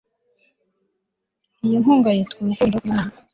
Iyi nkunga yitwa urukundo rwImana